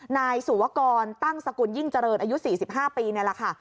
นายสุวกรตั้งสกุลยิ่งเจริญอายุ๔๕ปีนี่แหละค่ะ